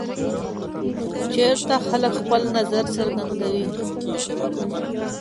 چېرته خلک خپل نظر څرګندوي؟